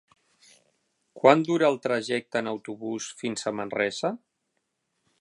Quant dura el trajecte en autobús fins a Manresa?